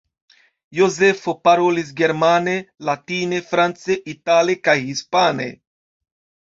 Jozefo parolis germane, latine, france, itale kaj hispane.